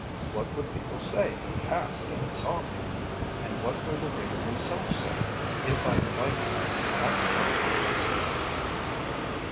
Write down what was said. What would people say who passed and saw me! And what will the reader himself say, if I invite him to that sight?